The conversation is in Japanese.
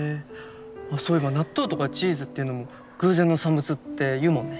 あっそういえば納豆とかチーズっていうのも偶然の産物っていうもんね。